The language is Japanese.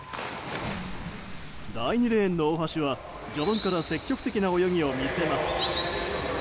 第２レーン、大橋は序盤から積極的な泳ぎを見せます。